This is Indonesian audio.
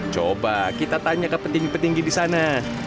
coba kita tanya ke petinggi petinggi di sana